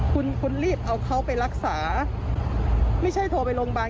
คุณคุณรีบเอาเขาไปรักษาไม่ใช่โทรไปโรงพยาบาล